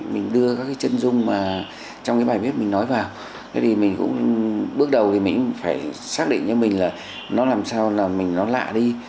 mình nói vào bước đầu mình phải xác định cho mình là nó làm sao là mình nó lạ đi